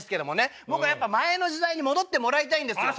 僕はやっぱ前の時代に戻ってもらいたいんですよ。